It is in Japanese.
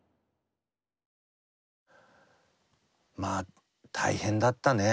まあ大変だったね。